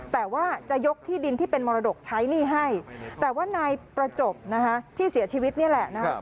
แต่ว่าจะยกที่ดินที่เป็นมรดกใช้หนี้ให้แต่ว่านายประจบนะคะที่เสียชีวิตนี่แหละนะฮะ